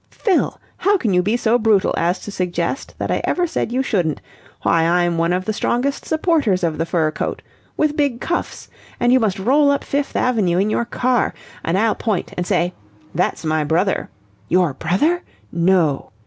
"Fill...! How can you be so brutal as to suggest that I ever said you shouldn't? Why, I'm one of the strongest supporters of the fur coat. With big cuffs. And you must roll up Fifth Avenue in your car, and I'll point and say 'That's my brother!' 'Your brother? No!'